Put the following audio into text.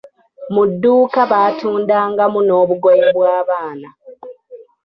Mu dduuka baatundangamu n'obugoye bw'abaana.